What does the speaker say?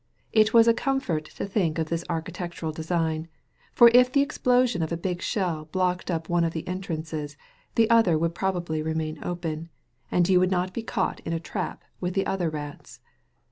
It was a comfort to think of this architectural design; for if the explosion of a big shell blocked up one of the entrances, the other would probably remain open, and you would not be caught in a trap with the other rats.